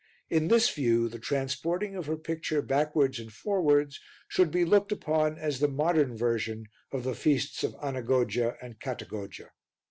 In this view the transporting of her picture backwards and forwards should be looked upon as the modern version of the feasts of Anagogia and Catagogia.